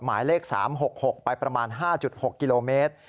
หมายเลข๓๖๖ไปประมาณ๕๖กิโลเมตร